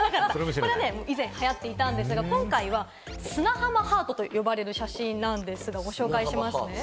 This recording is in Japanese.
以前、流行っていたんですが、今回は砂浜ハートと言われる写真なんですが、ご紹介しますね。